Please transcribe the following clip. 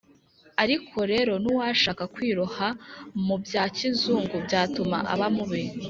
ariko rero n’uwashaka kwiroha mu bya kizungu byatuma aba mubi